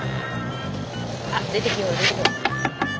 あっ出てきよる。